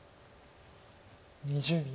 ２０秒。